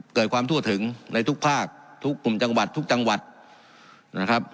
เกิดความทั่วถึงในทุกภาคทุกกลุ่มจังหวัดทุกจังหวัดนะครับ